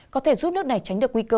có thể giúp nước này tránh được nguy cơ